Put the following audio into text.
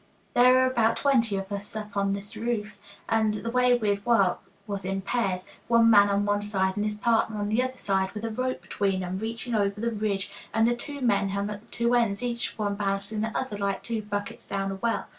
There were about twenty of us on this roof, and the way we'd work was in pairs, one man on one side and his partner on the other side, with a rope between 'em, reaching over the ridge, and the two men hung at the two ends, each one balancing the other, like two buckets down a well.